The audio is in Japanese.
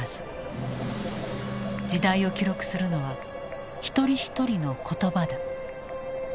時代を記録するのは一人一人の言葉だ。